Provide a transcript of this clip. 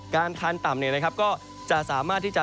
การคานต่ำเนี่ยนะครับก็จะสามารถที่จะ